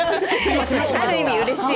ある意味うれしい。